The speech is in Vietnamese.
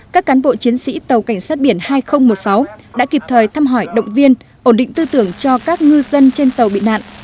các cán bộ chiến sĩ tàu cảnh sát biển hai nghìn một mươi sáu đã kịp thời thăm hỏi động viên ổn định tư tưởng cho các ngư dân trên tàu bị nạn